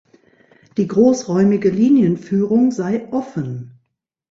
Die großräumige Linienführung sei offen.